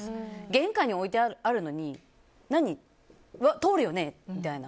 玄関に置いてあるのに通るよね？